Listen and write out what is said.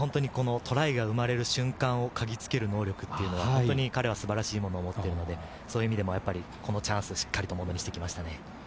トライが生まれる瞬間を嗅ぎつける能力というのは本当に彼は素晴らしいものを持っているので、このチャンスをしっかりとものにしてきましたね。